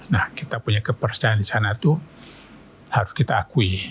nah kita punya kepercayaan di sana itu harus kita akui